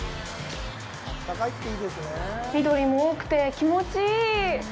緑も多くて、気持ちいい！